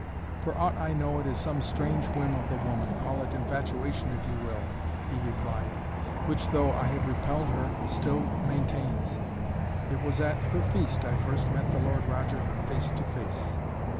"For aught I know it is some strange whim of the woman, call it infatuation if you will," he replied, "which, though I have repelled her, still maintains. It was at her feast I first met the Lord Roger face to face."